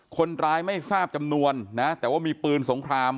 คนร้ายไม่ทราบจำนวนนะแต่ว่ามีปืนสงคราม